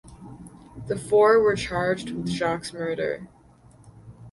The four were charged with Jaques's murder.